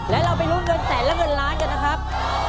และเราไปลุ้นเงินแสนและเงินล้านกันนะครับ